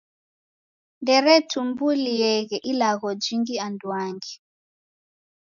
Nderetumbulieghe ilagho jingi anduangi.